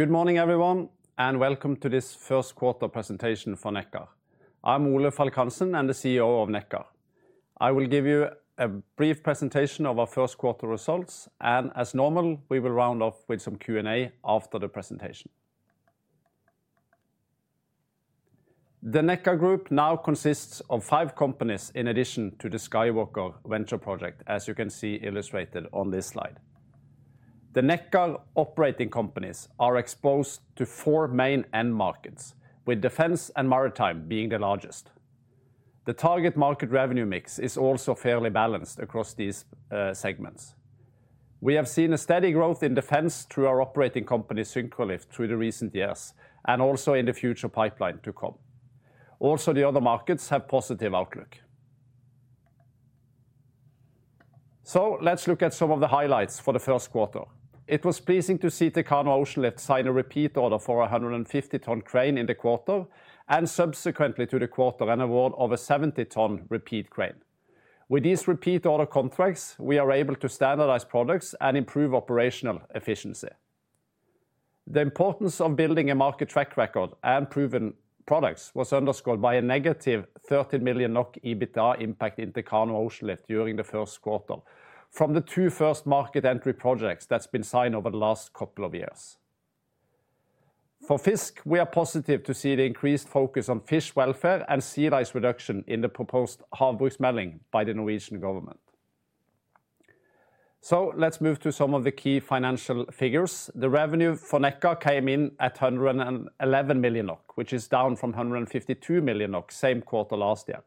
Good morning, everyone, and welcome to this first quarter presentation for Nekkar. I'm Ole Falk Hansen, and the CEO of Nekkar. I will give you a brief presentation of our first quarter results, and as normal, we will round off with some Q&A after the presentation. The Nekkar Group now consists of five companies in addition to the SkyWalker venture project, as you can see illustrated on this slide. The Nekkar operating companies are exposed to four main end markets, with defence and maritime being the largest. The target market revenue mix is also fairly balanced across these segments. We have seen a steady growth in defence through our operating company, Syncrolift, through the recent years and also in the future pipeline to come. Also, the other markets have a positive outlook. Let's look at some of the highlights for the first quarter. It was pleasing to see Techano Oceanlift sign a repeat order for a 150-tonne crane in the quarter, and subsequently to the quarter, an award of a 70-tonne repeat crane. With these repeat order contracts, we are able to standardize products and improve operational efficiency. The importance of building a market track record and proven products was underscored by a -13 million NOK EBITDA impact in Techano Oceanlift during the first quarter from the two first market entry projects that have been signed over the last couple of years. For FiiZK, we are positive to see the increased focus on fish welfare and sea lice reduction in the proposed Havbruksmeldingen by the Norwegian government. Let's move to some of the key financial figures. The revenue for Nekkar came in at 111 million NOK, which is down from 152 million NOK same quarter last year,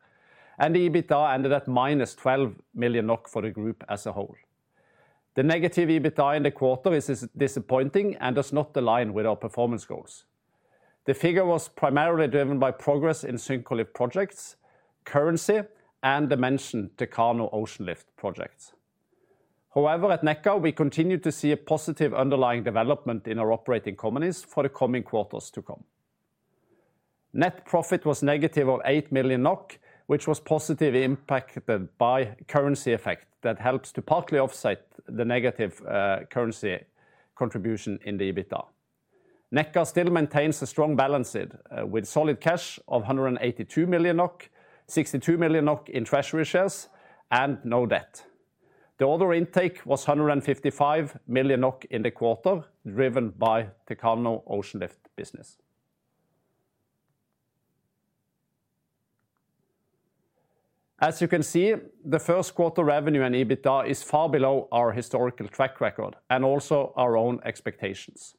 and the EBITDA ended at -12 million NOK for the group as a whole. The negative EBITDA in the quarter is disappointing and does not align with our performance goals. The figure was primarily driven by progress in Syncrolift projects, currency, and the mentioned Techano Oceanlift projects. However, at Nekkar, we continue to see a positive underlying development in our operating companies for the coming quarters to come. Net profit was negative at 8 million NOK, which was positively impacted by currency effect that helps to partly offset the negative currency contribution in the EBITDA. Nekkar still maintains a strong balance sheet with solid cash of 182 million NOK, 62 million NOK in treasury shares, and no debt. The order intake was 155 million NOK in the quarter, driven by Techano Oceanlift business. As you can see, the first quarter revenue and EBITDA is far below our historical track record and also our own expectations.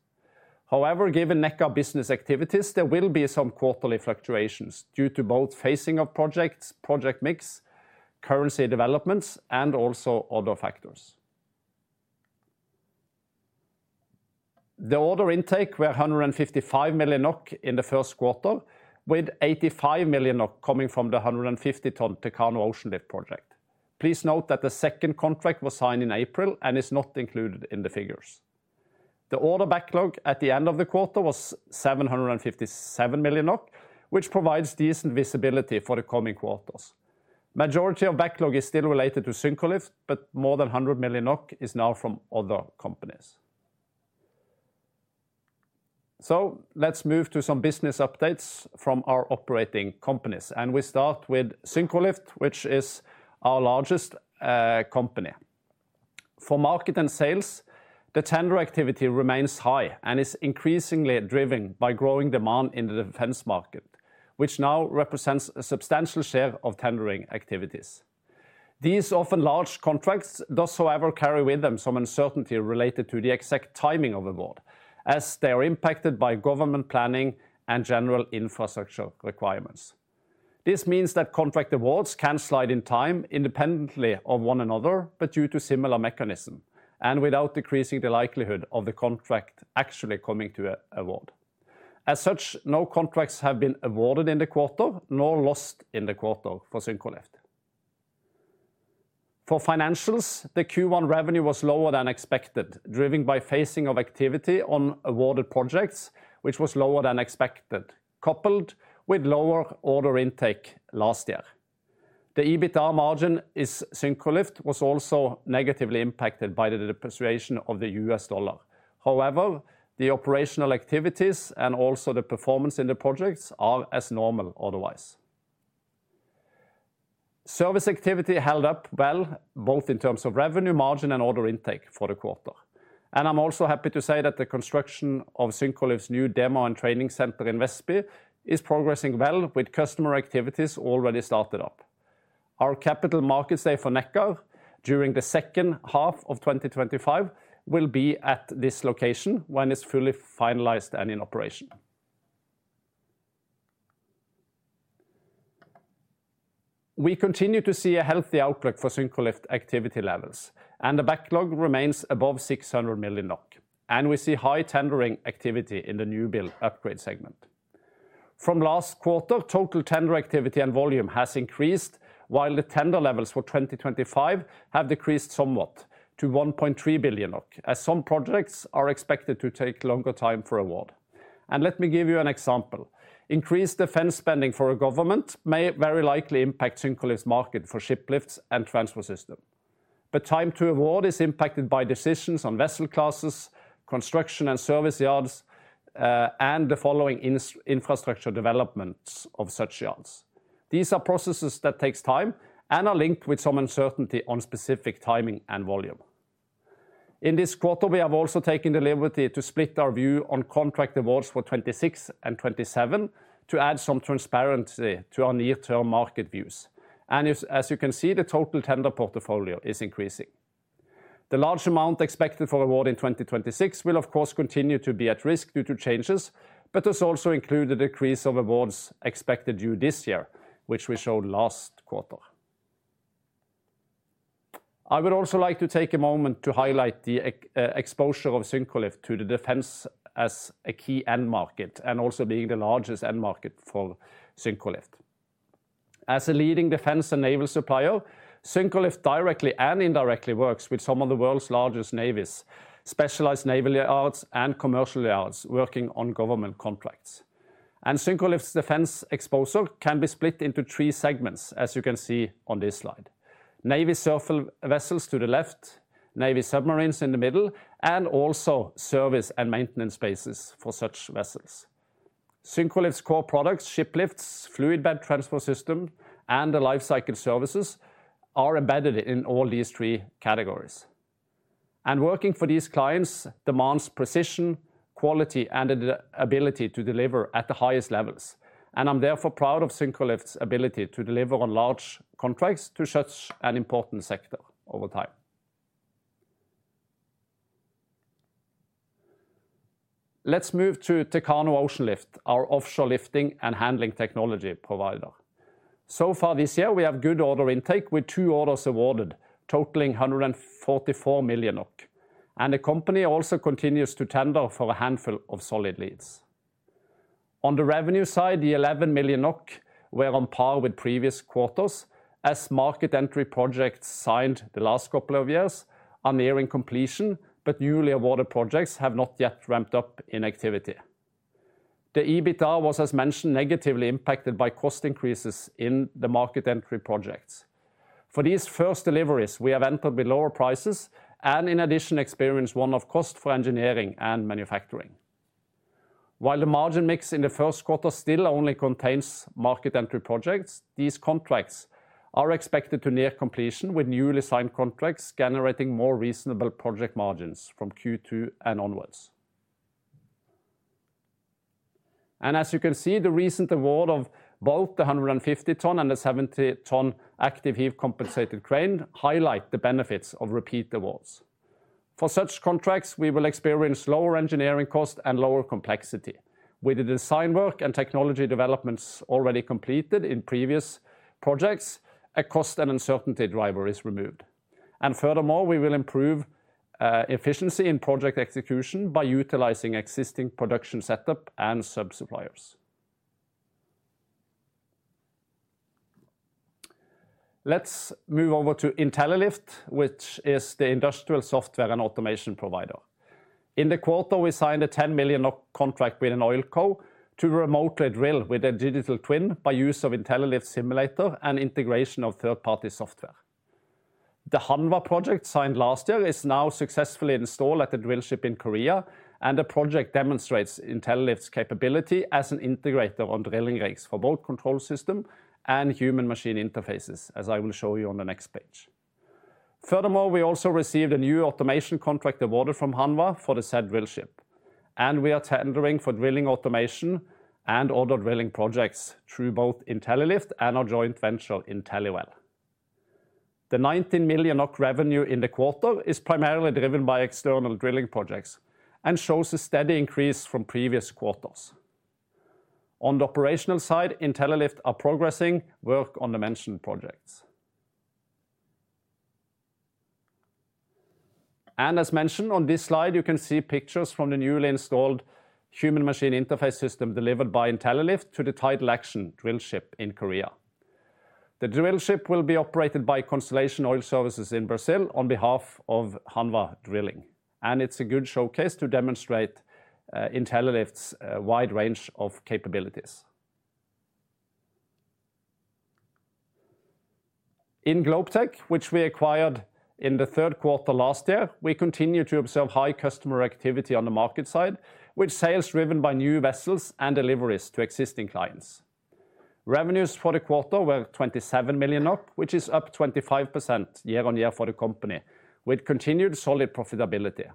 However, given Nekkar business activities, there will be some quarterly fluctuations due to both phasing of projects, project mix, currency developments, and also other factors. The order intake was 155 million NOK in the first quarter, with 85 million NOK coming from the 150-tonne Techano Oceanlift project. Please note that the second contract was signed in April and is not included in the figures. The order backlog at the end of the quarter was 757 million NOK, which provides decent visibility for the coming quarters. The majority of backlog is still related to Syncrolift, but more than 100 million NOK is now from other companies. Let's move to some business updates from our operating companies, and we start with Syncrolift, which is our largest company. For market and sales, the tender activity remains high and is increasingly driven by growing demand in the defense market, which now represents a substantial share of tendering activities. These often large contracts do, however, carry with them some uncertainty related to the exact timing of award, as they are impacted by government planning and general infrastructure requirements. This means that contract awards can slide in time independently of one another, but due to a similar mechanism and without decreasing the likelihood of the contract actually coming to award. As such, no contracts have been awarded in the quarter nor lost in the quarter for Syncrolift. For financials, the Q1 revenue was lower than expected, driven by phasing of activity on awarded projects, which was lower than expected, coupled with lower order intake last year. The EBITDA margin in Syncrolift was also negatively impacted by the depreciation of the U.S. dollar. However, the operational activities and also the performance in the projects are as normal otherwise. Service activity held up well, both in terms of revenue margin and order intake for the quarter, and I'm also happy to say that the construction of Syncrolift's new demo and training center in Vestby is progressing well, with customer activities already started up. Our capital markets day for Nekkar during the second half of 2025 will be at this location when it's fully finalized and in operation. We continue to see a healthy outlook for Syncrolift activity levels, and the backlog remains above 600 million NOK, and we see high tendering activity in the new build upgrade segment. From last quarter, total tender activity and volume has increased, while the tender levels for 2025 have decreased somewhat to 1.3 billion NOK, as some projects are expected to take longer time for award. Let me give you an example. Increased defense spending for a government may very likely impact Syncrolift's market for shiplifts and transfer system, but time to award is impacted by decisions on vessel classes, construction and service yards, and the following infrastructure developments of such yards. These are processes that take time and are linked with some uncertainty on specific timing and volume. In this quarter, we have also taken the liberty to split our view on contract awards for 2026 and 2027 to add some transparency to our near-term market views. As you can see, the total tender portfolio is increasing. The large amount expected for award in 2026 will, of course, continue to be at risk due to changes, but has also included the increase of awards expected due this year, which we showed last quarter. I would also like to take a moment to highlight the exposure of Syncrolift to the defense as a key end market and also being the largest end market for Syncrolift. As a leading defense and naval supplier, Syncrolift directly and indirectly works with some of the world's largest navies, specialized naval yards, and commercial yards working on government contracts. Syncrolift's defence exposure can be split into three segments, as you can see on this slide: navy surf vessels to the left, navy submarines in the middle, and also service and maintenance bases for such vessels. Syncrolift's core products, shiplifts, fluid transfer system, and the lifecycle services are embedded in all these three categories. Working for these clients demands precision, quality, and the ability to deliver at the highest levels, and I'm therefore proud of Syncrolift's ability to deliver on large contracts to such an important sector over time. Let's move to Techano Oceanlift, our offshore lifting and handling technology provider. So far this year, we have good order intake with two orders awarded, totaling 144 million, and the company also continues to tender for a handful of solid leads. On the revenue side, the 11 million NOK were on par with previous quarters, as market entry projects signed the last couple of years are nearing completion, but newly awarded projects have not yet ramped up in activity. The EBITDA was, as mentioned, negatively impacted by cost increases in the market entry projects. For these first deliveries, we have entered with lower prices and, in addition, experienced one-off costs for engineering and manufacturing. While the margin mix in the first quarter still only contains market entry projects, these contracts are expected to near completion with newly signed contracts generating more reasonable project margins from Q2 and onwards. The recent award of both the 150-tonne and the 70-tonne active heave compensated crane highlights the benefits of repeat awards. For such contracts, we will experience lower engineering costs and lower complexity. With the design work and technology developments already completed in previous projects, a cost and uncertainty driver is removed. Furthermore, we will improve efficiency in project execution by utilising existing production setup and sub-suppliers. Let's move over to Intellilift, which is the industrial software and automation provider. In the quarter, we signed a 10 million contract with an oil co. to remotely drill with a digital twin by use of Intellilift simulator and integration of third-party software. The Hanwha project signed last year is now successfully installed at the drill ship in Korea, and the project demonstrates Intellilift's capability as an integrator on drilling rigs for both control system and human-machine interfaces, as I will show you on the next page. Furthermore, we also received a new automation contract awarded from Hanwha for the said drill ship, and we are tendering for drilling automation and order drilling projects through both Intellilift and our joint venture InteliWell. The 19 million revenue in the quarter is primarily driven by external drilling projects and shows a steady increase from previous quarters. On the operational side, Intellilift is progressing work on the mentioned projects. As mentioned on this slide, you can see pictures from the newly installed human-machine interface system delivered by Intellilift to the title action drill ship in Korea. The drill ship will be operated by Constellation Oil Services in Brazil on behalf of Hanwha Drilling, and it's a good showcase to demonstrate Intellilift's wide range of capabilities. In Globetech, which we acquired in the third quarter last year, we continue to observe high customer activity on the market side, with sales driven by new vessels and deliveries to existing clients. Revenues for the quarter were 27 million, which is up 25% year on year for the company, with continued solid profitability.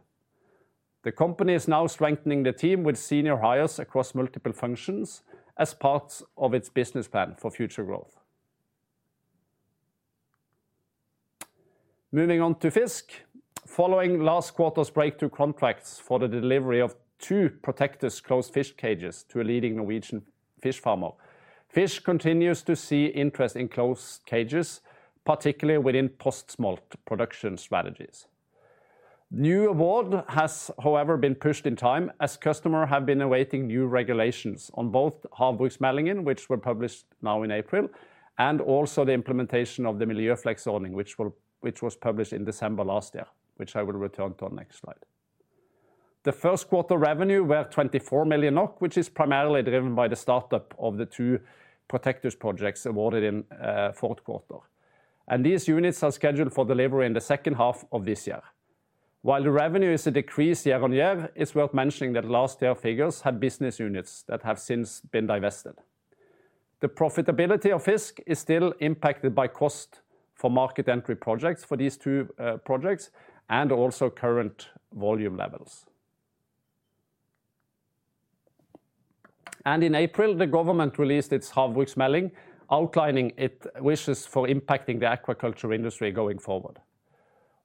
The company is now strengthening the team with senior hires across multiple functions as part of its business plan for future growth. Moving on to FiiZK, following last quarter's breakthrough contracts for the delivery of two protective closed fish cages to a leading Norwegian fish farmer, FiiZK continues to see interest in closed cages, particularly within post-smolt production strategies. New award has, however, been pushed in time, as customers have been awaiting new regulations on both Havbruksmeldingen, which were published now in April, and also the implementation of the Miljøfleks-ordningen, which was published in December last year, which I will return to on the next slide. The first quarter revenue was 24 million NOK, which is primarily driven by the startup of the two protective projects awarded in the fourth quarter, and these units are scheduled for delivery in the second half of this year. While the revenue is a decrease year on year, it's worth mentioning that last year's figures had business units that have since been divested. The profitability of FiiZK is still impacted by costs for market entry projects for these two projects and also current volume levels. In April, the government released its Havbruksmeldingen, outlining its wishes for impacting the aquaculture industry going forward.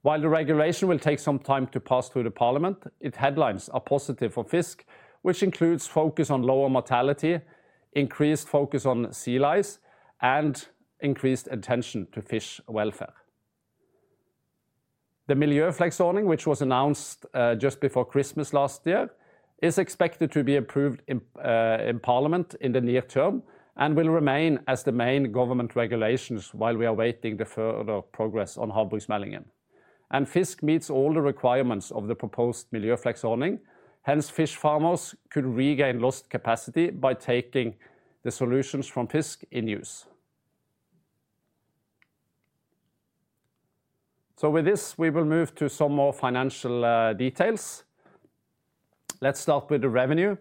While the regulation will take some time to pass through the parliament, its headlines are positive for FiiZK, which includes focus on lower mortality, increased focus on sea lice, and increased attention to fish welfare. The Miljøfleks-ordningen, which was announced just before Christmas last year, is expected to be approved in parliament in the near term and will remain as the main government regulations while we are awaiting the further progress on Haverbrugsmeldingen. FiiZK meets all the requirements of the proposed Miljøfleks-ordningen, hence fish farmers could regain lost capacity by taking the solutions from FiiZK in use. With this, we will move to some more financial details. Let's start with the revenue.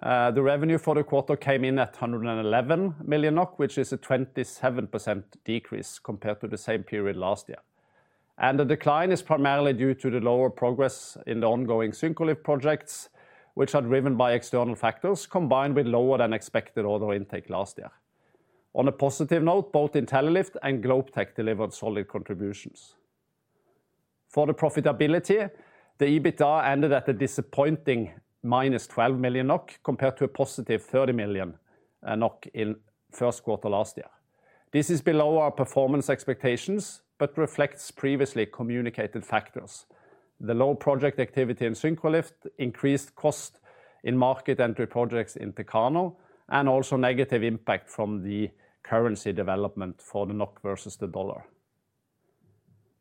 The revenue for the quarter came in at 111 million, which is a 27% decrease compared to the same period last year. The decline is primarily due to the lower progress in the ongoing Syncrolift projects, which are driven by external factors combined with lower than expected order intake last year. On a positive note, both Intellilift and Globetech delivered solid contributions. For the profitability, the EBITDA ended at a disappointing -12 million NOK compared to a +30 million NOK in the first quarter last year. This is below our performance expectations but reflects previously communicated factors. The low project activity in Syncrolift, increased costs in market entry projects in Techano, and also negative impact from the currency development for the NOK versus the dollar.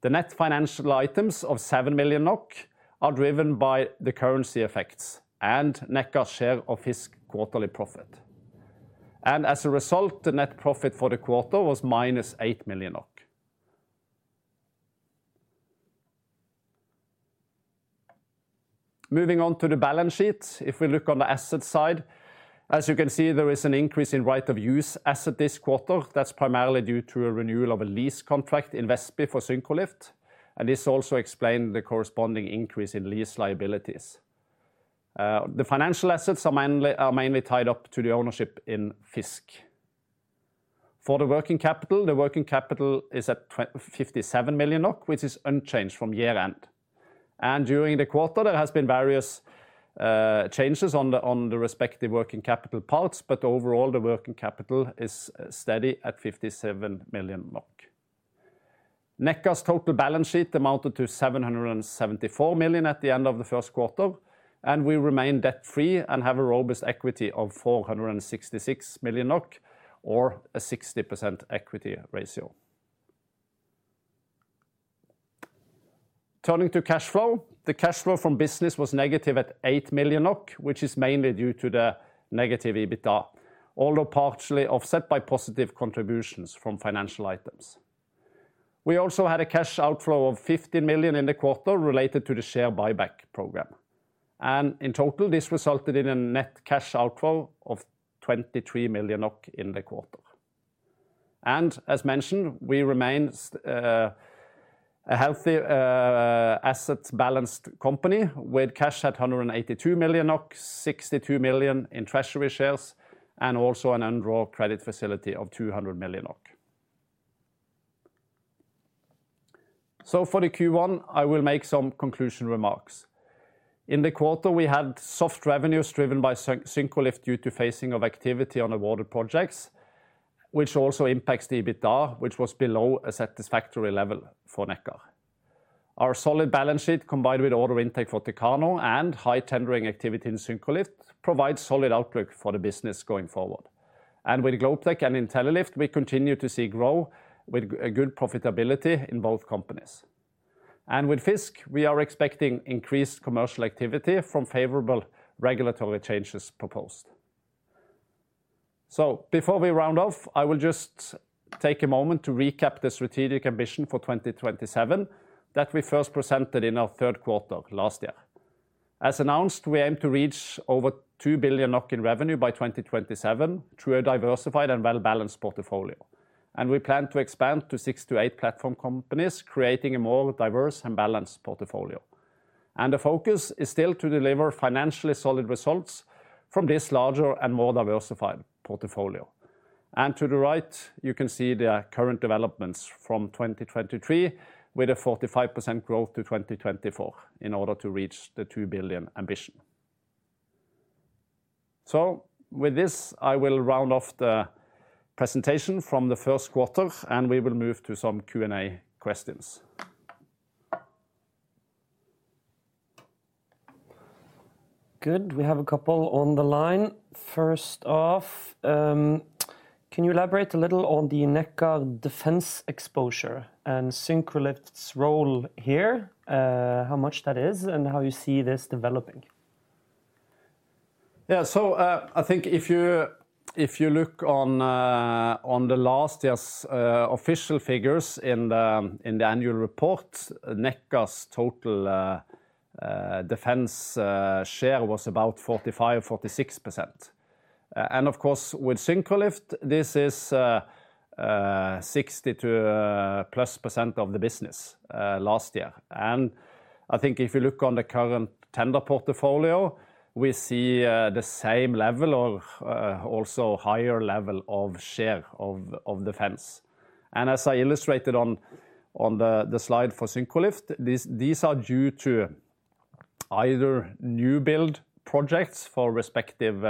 The net financial items of 7 million NOK are driven by the currency effects and Nekkar's share of FiiZK quarterly profit. As a result, the net profit for the quarter was NOK- 8 million. Moving on to the balance sheet, if we look on the asset side, as you can see, there is an increase in right of use asset this quarter. That is primarily due to a renewal of a lease contract in Vestby for Syncrolift, and this also explains the corresponding increase in lease liabilities. The financial assets are mainly tied up to the ownership in FiiZK. For the working capital, the working capital is at 57 million NOK, which is unchanged from year-end. During the quarter, there have been various changes on the respective working capital parts, but overall, the working capital is steady at 57 million NOK. Nekkar's total balance sheet amounted to 774 million at the end of the first quarter, and we remain debt-free and have a robust equity of 466 million NOK, or a 60% equity ratio. Turning to cash flow, the cash flow from business was negative at 8 million NOK, which is mainly due to the negative EBITDA, although partially offset by positive contributions from financial items. We also had a cash outflow of 15 million in the quarter related to the share buyback program. In total, this resulted in a net cash outflow of 23 million NOK in the quarter. As mentioned, we remain a healthy assets-balanced company with cash at 182 million NOK, 62 million in treasury shares, and also an undrawn credit facility of 200 million NOK. For the Q1, I will make some conclusion remarks. In the quarter, we had soft revenues driven by Syncrolift due to phasing of activity on awarded projects, which also impacts the EBITDA, which was below a satisfactory level for Nekkar. Our solid balance sheet, combined with order intake for Techano and high tendering activity in Syncrolift, provides a solid outlook for the business going forward. With Globetech and Intellilift, we continue to see growth with good profitability in both companies. With FiiZK, we are expecting increased commercial activity from favorable regulatory changes proposed. Before we round off, I will just take a moment to recap the strategic ambition for 2027 that we first presented in our third quarter last year. As announced, we aim to reach over 2 billion NOK in revenue by 2027 through a diversified and well-balanced portfolio. We plan to expand to six to eight platform companies, creating a more diverse and balanced portfolio. The focus is still to deliver financially solid results from this larger and more diversified portfolio. To the right, you can see the current developments from 2023 with a 45% growth to 2024 in order to reach the 2 billion ambition. With this, I will round off the presentation from the first quarter, and we will move to some Q&A questions. Good, we have a couple on the line. First off, can you elaborate a little on the Nekkar defense exposure and Syncrolift's role here, how much that is, and how you see this developing? Yeah, I think if you look on last year's official figures in the annual report, Nekkar's total defense share was about 45%-46%. Of course, with Syncrolift, this is 60+% of the business last year. I think if you look on the current tender portfolio, we see the same level or also higher level of share of defense. As I illustrated on the slide for Syncrolift, these are due to either new build projects for respective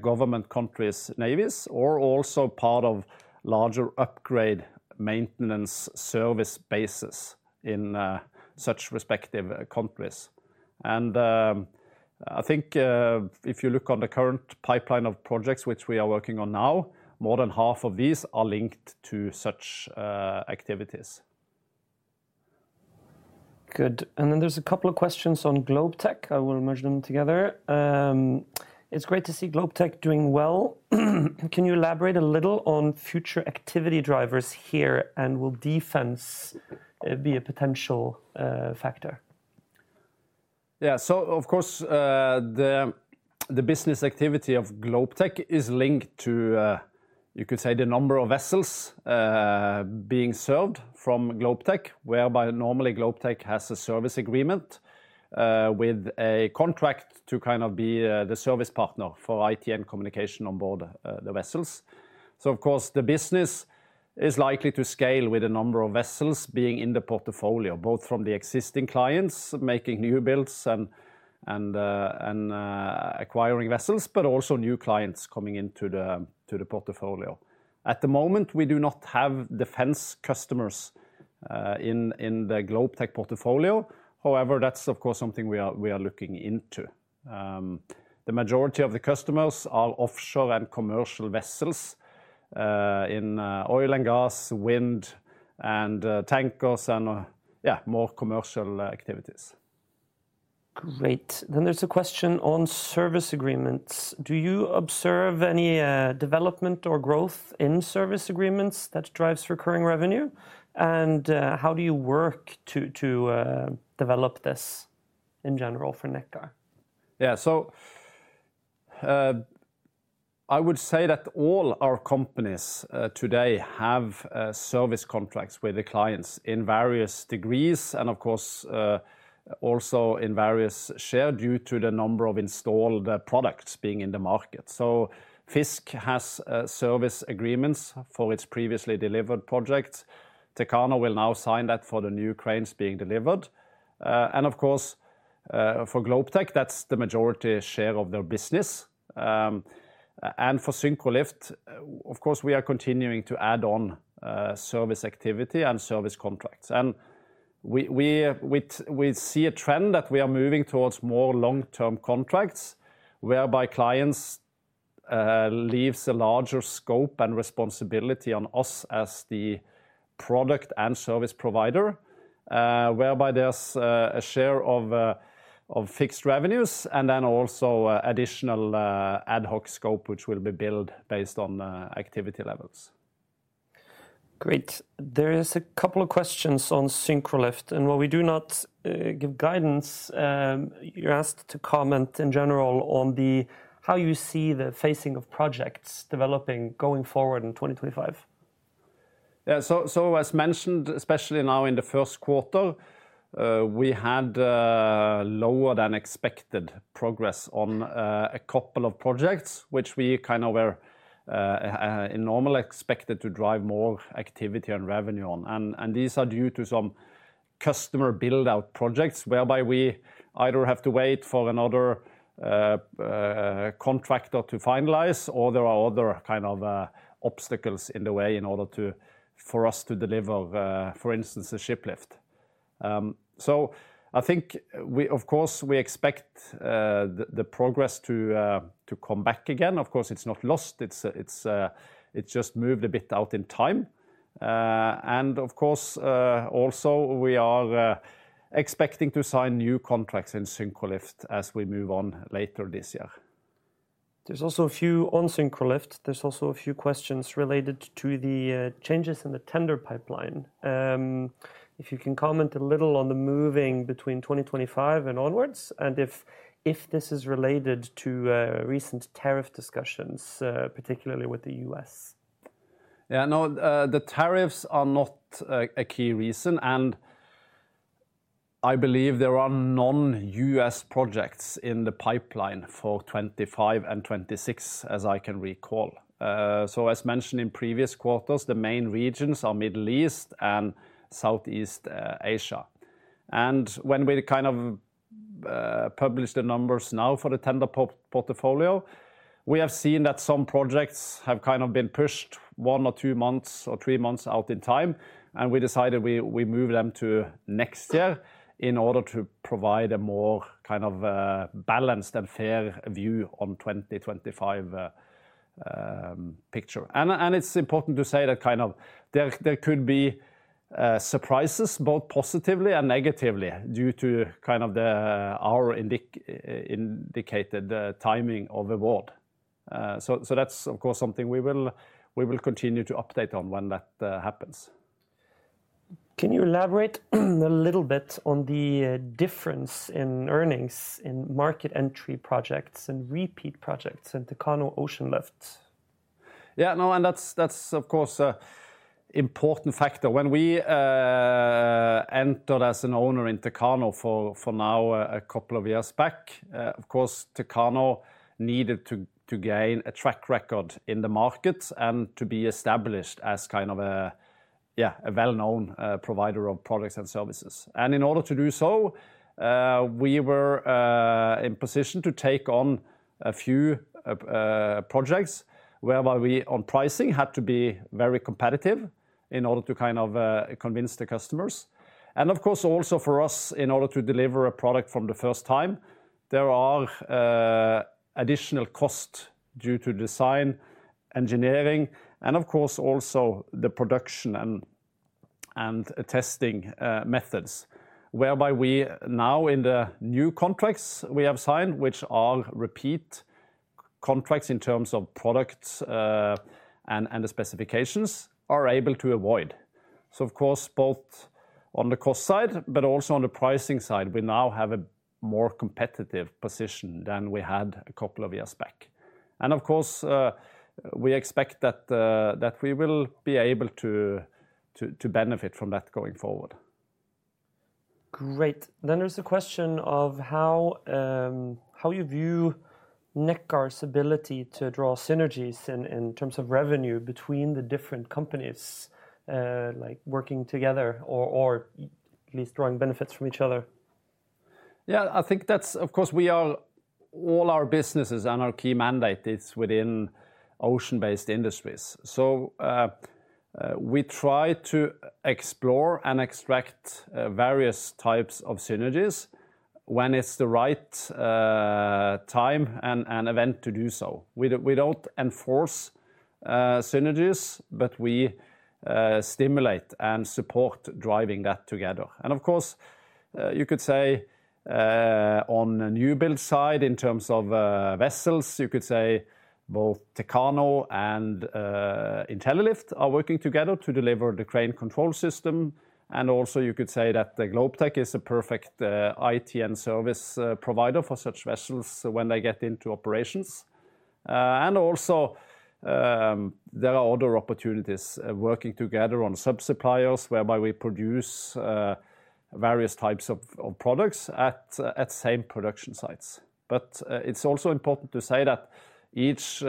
government countries' navies or also part of larger upgrade maintenance service bases in such respective countries. I think if you look on the current pipeline of projects which we are working on now, more than half of these are linked to such activities. Good, and then there's a couple of questions on Globetech. I will merge them together. It's great to see Globetech doing well. Can you elaborate a little on future activity drivers here and will defense be a potential factor? Yeah, so of course, the business activity of Globetech is linked to, you could say, the number of vessels being served from Globetech, whereby normally Globetech has a service agreement with a contract to kind of be the service partner for IT and communication on board the vessels. Of course, the business is likely to scale with the number of vessels being in the portfolio, both from the existing clients making new builds and acquiring vessels, but also new clients coming into the portfolio. At the moment, we do not have defense customers in the Globetech portfolio. However, that's of course something we are looking into. The majority of the customers are offshore and commercial vessels in oil and gas, wind, and tankers, and yeah, more commercial activities. Great, then there's a question on service agreements. Do you observe any development or growth in service agreements that drives recurring revenue? And how do you work to develop this in general for Nekkar? Yeah, I would say that all our companies today have service contracts with the clients in various degrees and of course also in various shares due to the number of installed products being in the market. FiiZK has service agreements for its previously delivered projects. Techano will now sign that for the new cranes being delivered. Of course, for Globetech, that's the majority share of their business. For Syncrolift, we are continuing to add on service activity and service contracts. We see a trend that we are moving towards more long-term contracts whereby clients leave a larger scope and responsibility on us as the product and service provider, whereby there is a share of fixed revenues and then also additional ad hoc scope which will be built based on activity levels. There is a couple of questions on Syncrolift. While we do not give guidance, you are asked to comment in general on how you see the phasing of projects developing going forward in 2025. Yeah, as mentioned, especially now in the first quarter, we had lower than expected progress on a couple of projects which we kind of were normally expected to drive more activity and revenue on. These are due to some customer build-out projects whereby we either have to wait for another contractor to finalize or there are other kind of obstacles in the way in order for us to deliver, for instance, a shiplift. I think we, of course, expect the progress to come back again. Of course, it's not lost. It's just moved a bit out in time. Of course, also we are expecting to sign new contracts in Syncrolift as we move on later this year. There's also a few on Syncrolift. There's also a few questions related to the changes in the tender pipeline. If you can comment a little on the moving between 2025 and onwards and if this is related to recent tariff discussions, particularly with the U.S. Yeah, no, the tariffs are not a key reason. I believe there are non-U.S. projects in the pipeline for 2025 and 2026, as I can recall. As mentioned in previous quarters, the main regions are Middle East and Southeast Asia. When we kind of published the numbers now for the tender portfolio, we have seen that some projects have kind of been pushed one or two months or three months out in time. We decided we move them to next year in order to provide a more kind of balanced and fair view on the 2025 picture. It is important to say that there could be surprises, both positively and negatively, due to our indicated timing of award. That is, of course, something we will continue to update on when that happens. Can you elaborate a little bit on the difference in earnings in market entry projects and repeat projects in Techano Oceanlift? Yeah, no, and that's, of course, an important factor. When we entered as an owner in Techano for now a couple of years back, of course, Techano needed to gain a track record in the market and to be established as kind of a, yeah, a well-known provider of products and services. In order to do so, we were in position to take on a few projects whereby we on pricing had to be very competitive in order to kind of convince the customers. Of course, also for us, in order to deliver a product from the first time, there are additional costs due to design, engineering, and of course, also the production and testing methods whereby we now in the new contracts we have signed, which are repeat contracts in terms of products and the specifications, are able to avoid. Of course, both on the cost side, but also on the pricing side, we now have a more competitive position than we had a couple of years back. We expect that we will be able to benefit from that going forward. Great, there is a question of how you view Nekkar's ability to draw synergies in terms of revenue between the different companies, like working together or at least drawing benefits from each other. Yeah, I think that's, of course, we are all our businesses and our key mandate is within ocean-based industries. We try to explore and extract various types of synergies when it's the right time and event to do so. We don't enforce synergies, but we stimulate and support driving that together. You could say on the new build side in terms of vessels, you could say both Techano and Intellilift are working together to deliver the crane control system. Also, you could say that Globetech is a perfect IT and service provider for such vessels when they get into operations. There are other opportunities working together on sub-suppliers whereby we produce various types of products at same production sites. But it's also important to say that each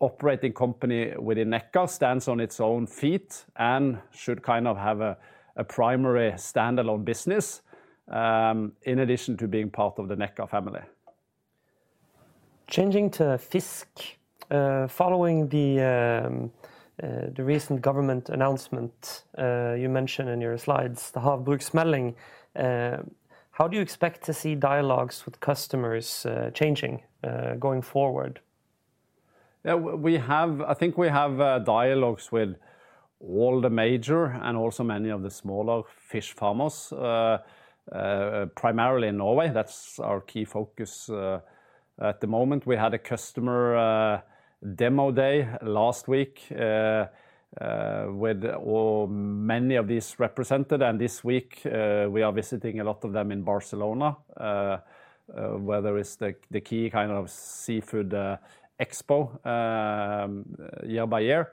operating company within Nekkar stands on its own feet and should kind of have a primary standalone business in addition to being part of the Nekkar family. Changing to FiiZK, following the recent government announcement you mentioned in your slides, the Havbruksmeldingen, how do you expect to see dialogues with customers changing going forward? Yeah, we have, I think we have dialogues with all the major and also many of the smaller fish farmers, primarily in Norway. That's our key focus at the moment. We had a customer demo day last week with many of these represented. This week, we are visiting a lot of them in Barcelona, where there is the key kind of seafood expo year by year.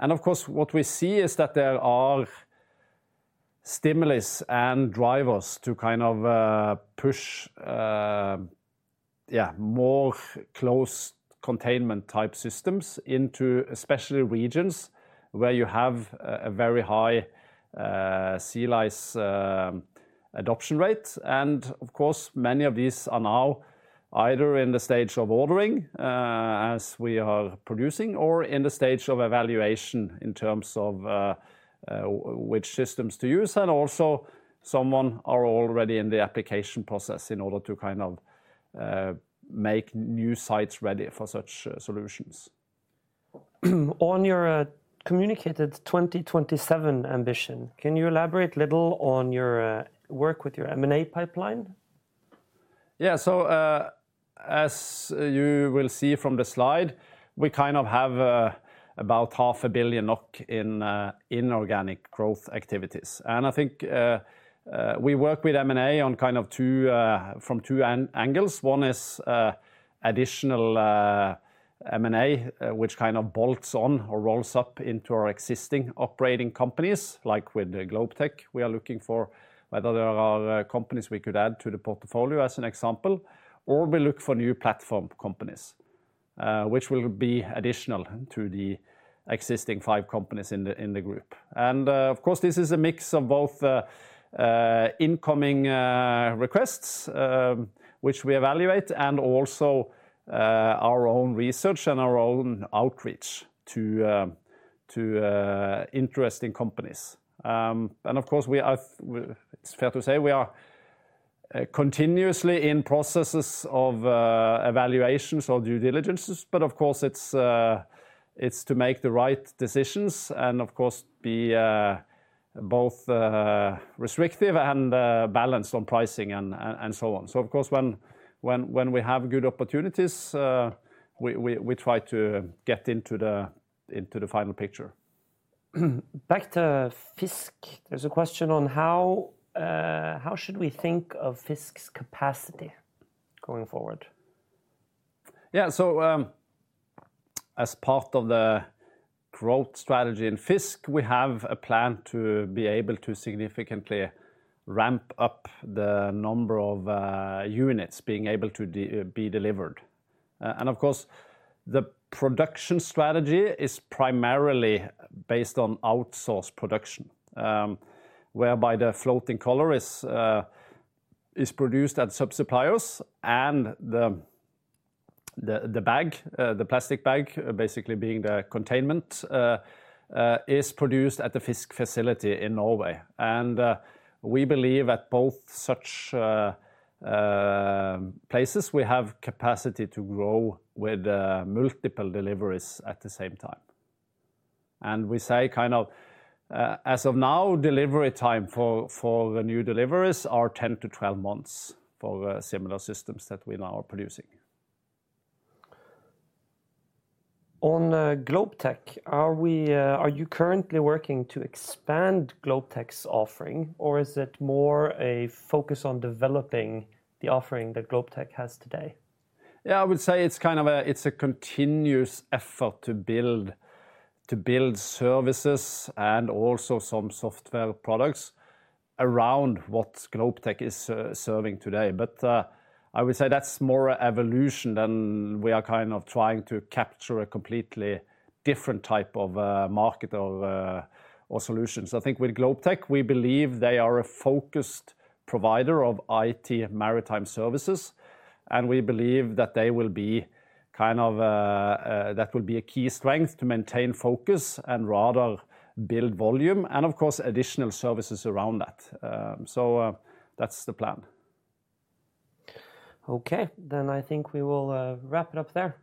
Of course, what we see is that there are stimulus and drivers to kind of push, yeah, more closed containment type systems into especially regions where you have a very high sea lice adoption rate. Many of these are now either in the stage of ordering as we are producing or in the stage of evaluation in terms of which systems to use. Also, some are already in the application process in order to kind of make new sites ready for such solutions. On your communicated 2027 ambition, can you elaborate a little on your work with your M&A pipeline? Yeah, as you will see from the slide, we kind of have about 500 million NOK in inorganic growth activities. I think we work with M&A on kind of two, from two angles. One is additional M&A, which kind of bolts on or rolls up into our existing operating companies like with Globetech. We are looking for whether there are companies we could add to the portfolio as an example, or we look for new platform companies, which will be additional to the existing five companies in the group. Of course, this is a mix of both incoming requests, which we evaluate, and also our own research and our own outreach to interesting companies. Of course, it's fair to say we are continuously in processes of evaluations or due diligences, but of course, it's to make the right decisions and of course be both restrictive and balanced on pricing and so on. When we have good opportunities, we try to get into the final picture. Back to FiiZK, there's a question on how should we think of FiiZK's capacity going forward? Yeah, so as part of the growth strategy in FiiZK, we have a plan to be able to significantly ramp up the number of units being able to be delivered. The production strategy is primarily based on outsourced production, whereby the floating collar is produced at sub-suppliers and the bag, the plastic bag, basically being the containment, is produced at the FiiZK facility in Norway. We believe at both such places, we have capacity to grow with multiple deliveries at the same time. We say kind of as of now, delivery time for the new deliveries are 10-12 months for similar systems that we now are producing. On Globetech, are you currently working to expand Globetech's offering, or is it more a focus on developing the offering that Globetech has today? Yeah, I would say it's kind of a continuous effort to build services and also some software products around what Globetech is serving today. I would say that's more an evolution than we are kind of trying to capture a completely different type of market or solution. I think with Globetech, we believe they are a focused provider of IT maritime services. We believe that will be a key strength to maintain focus and rather build volume and of course additional services around that. That's the plan. Okay, I think we will wrap it up there.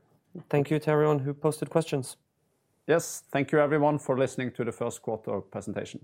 Thank you to everyone who posted questions. Yes, thank you everyone for listening to the first quarter presentation.